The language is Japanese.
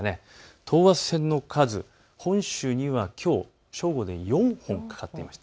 等圧線の数、本州にはきょう正午で４本かかっていました。